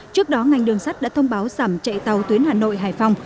trước đó ngành đường sắt đã thông báo giảm chạy tàu tuyến hà nội hải phòng